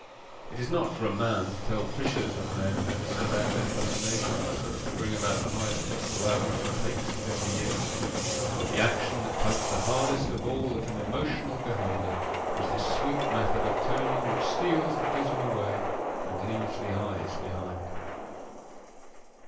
It is not for a man to tell fishers of men how to set out their fascinations so as to bring about the highest possible average of takes within the year: but the action that tugs the hardest of all at an emotional beholder is this sweet method of turning which steals the bosom away and leaves the eyes behind.